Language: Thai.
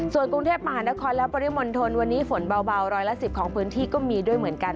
ส่วนกรุงเทพมหานครและปริมณฑลวันนี้ฝนเบาร้อยละ๑๐ของพื้นที่ก็มีด้วยเหมือนกัน